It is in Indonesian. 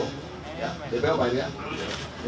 ya dpo baiknya